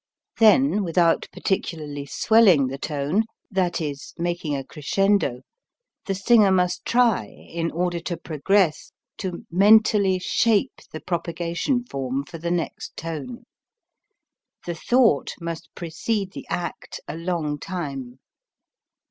Then without particularly swelling the tone, that is, making a crescendo, the singer must try, in order to progress, to mentally shape the propagation form for the next tone. The thought must precede the act a long time.